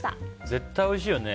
絶対おいしいよね。